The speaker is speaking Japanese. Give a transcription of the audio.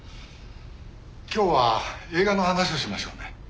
今日は映画の話をしましょうね。